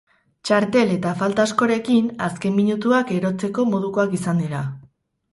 Txartel eta falta askorekin, azken minutuak erotzeko modukoak izan dira.